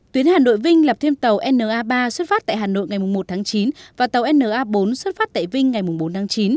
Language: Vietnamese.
tuyến hà nội vinh lập thêm tàu na ba xuất phát tại hà nội ngày một tháng chín và tàu na bốn xuất phát tại vinh ngày bốn tháng chín